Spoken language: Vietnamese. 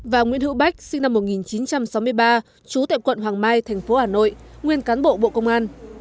và nguyễn hữu bách sinh năm một nghìn chín trăm sáu mươi ba trú tại quận hoàng mai tp hà nội nguyên cán bộ bộ công an